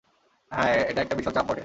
হ্যাঁ, এটা একটা বিশাল চাপ বটে।